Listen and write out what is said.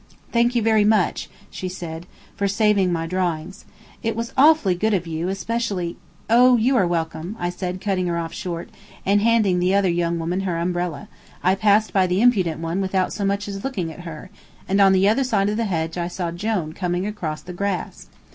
"Thank you very much," she said, "for saving my drawings. It was awfully good of you, especially " "Oh, you are welcome," said I, cutting her off short; and, handing the other young woman her umbrella, I passed by the impudent one without so much as looking at her, and on the other side of the hedge I saw Jone coming across the grass.